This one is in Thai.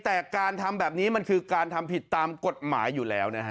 แต่การทำแบบนี้มันคือการทำผิดตามกฎหมายอยู่แล้วนะฮะ